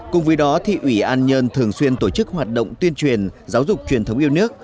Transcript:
cùng với đó thị ủy an nhơn thường xuyên tổ chức hoạt động tuyên truyền giáo dục truyền thống yêu nước